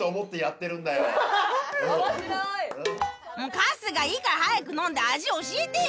春日いいから早く飲んで味教えてよ！